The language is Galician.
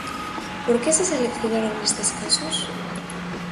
Por que se seleccionaron estes casos?